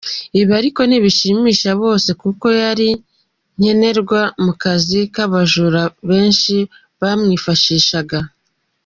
Ibi ariko ntibishimisha bose kuko yari nkenerwa mu kazi k’abajura benshi bamwifashishaga.